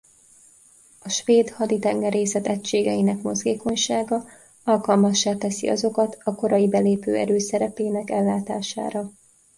A svéd haditengerészet egységeinek mozgékonysága alkalmassá teszi azokat a korai belépő erő szerepének ellátására.